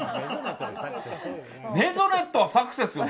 メゾネットはサクセスよ。